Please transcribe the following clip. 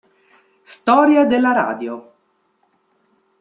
Storia della radio